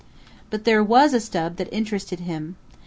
_ But there was a stub that interested him.